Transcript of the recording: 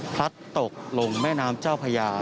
พลัดตกลงแม่น้ำเจ้าพญา